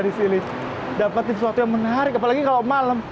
di sini dapat menarik apalagi pada malam